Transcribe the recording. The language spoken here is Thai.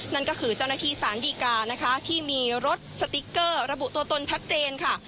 นั่นก็คือเจ้าหน้าที่สารดีกานะคะที่มีรถสติ๊กเกอร์ระบุตัวตนชัดเจนค่ะ